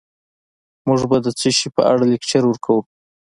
موږ به د څه شي په اړه لکچر ورکوو